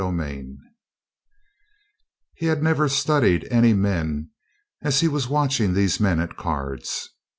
CHAPTER 12 He had never studied any men as he was watching these men at cards.